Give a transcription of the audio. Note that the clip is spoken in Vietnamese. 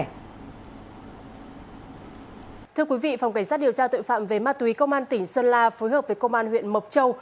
phòng cảnh sát điều tra tội phạm về ma túy công an tỉnh sơn la phối hợp với công an huyện mộc châu